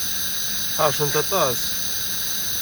Ḥeṛcent aṭas.